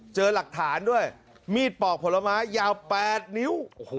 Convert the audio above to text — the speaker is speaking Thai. เจอหลักฐานด้วยมีดปอกผลไม้ยาว๘นิ้ว